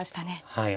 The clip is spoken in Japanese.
はい。